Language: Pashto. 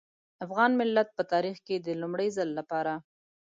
افغان ملت په تاريخ کې د لومړي ځل لپاره.